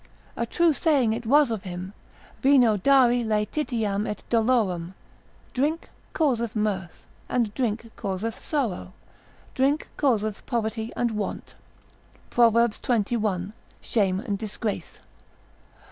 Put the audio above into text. A true saying it was of him, Vino dari laetitiam et dolorem, drink causeth mirth, and drink causeth sorrow, drink causeth poverty and want, (Prov. xxi.) shame and disgrace.